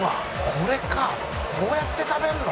これかこうやって食べるの？